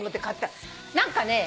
何かね